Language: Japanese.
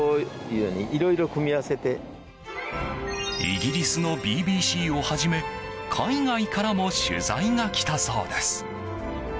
イギリスのＢＢＣをはじめ海外からも取材が来たそうです。